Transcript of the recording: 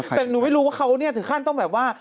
แต่หนูไม่รู้ว่าเขานี่ค่านต้องแบบว่า